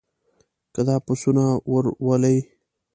که دا پسونه ور ولې.